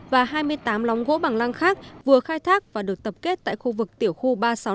và hai mươi tám lóng gỗ bằng lăng khác vừa khai thác và được tập kết tại khu vực tiểu khu ba trăm sáu mươi năm